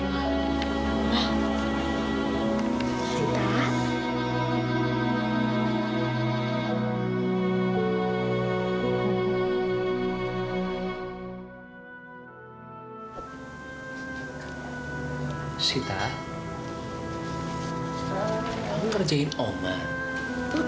kamu ngerjain oma